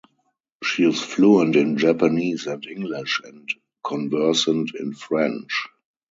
She is fluent in Japanese and English, and conversant in French.